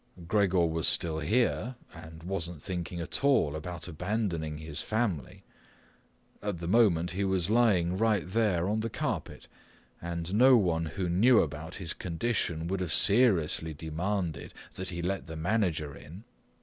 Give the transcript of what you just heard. Gregor was still here and wasn't thinking at all about abandoning his family. At the moment he was lying right there on the carpet, and no one who knew about his condition would've seriously demanded that he let the manager in.